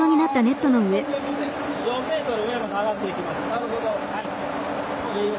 なるほど。